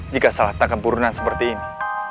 jika saat tangkampurunan seperti ini